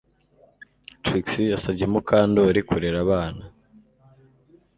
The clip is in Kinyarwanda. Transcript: Trix yasabye Mukandoli kurera abana